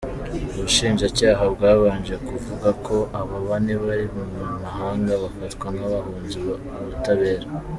Ubushinjacyaha bwabanje kuvuga ko aba bane bari mu mahanga, bafatwa nk'abahunze ubutabera.